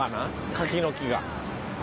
柿の木が。